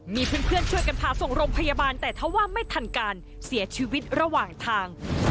มีเพื่อนช่วยกันพาส่งโรงพยาบาลแต่ถ้าว่าไม่ทันการเสียชีวิตระหว่างทาง